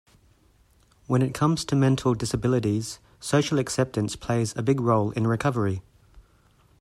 When it comes to mental disabilities, social acceptance plays a big role in recovery.